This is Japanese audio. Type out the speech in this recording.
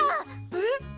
えっ！